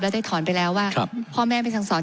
แล้วได้ถอนไปแล้วว่าครับพ่อแม่เป็นทางสอง